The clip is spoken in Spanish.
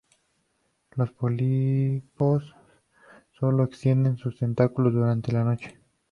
Los pólipos sólo extienden sus tentáculos durante la noche.